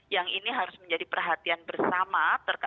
yang ini harus menjadi perhatian bersama